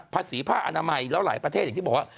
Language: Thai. ภาษีผ้าอนามัยแล้วหลายประเทศอย่างที่บอกว่า